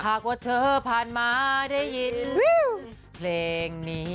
หากว่าเธอผ่านมาได้ยินเพลงนี้